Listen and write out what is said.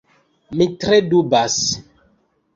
Mi tre dubas.